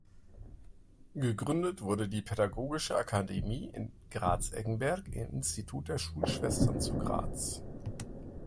Gegründet wurde die Pädagogische Akademie in Graz-Eggenberg im Institut der Schulschwestern zu Graz.